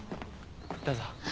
どうぞ。